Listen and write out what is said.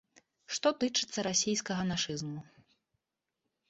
Што тычыцца расійскага нашызму.